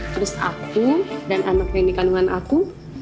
terus aku dan anak yang dikandungan aku